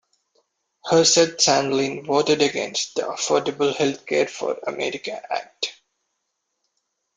Herseth Sandlin voted against the Affordable Health Care for America Act.